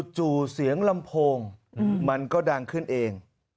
เสียงลำโพงมันก็ดังขึ้นเอง